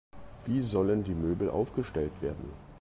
Wie sollen die Möbel aufgestellt werden?